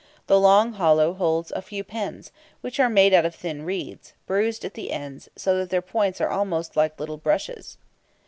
The long hollow holds a few pens, which are made out of thin reeds, bruised at the ends, so that their points are almost like little brushes.